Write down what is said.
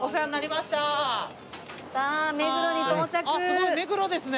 すごい目黒ですね。